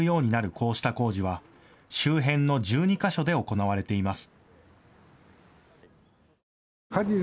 こうした工事は周辺の１２か所で行われています。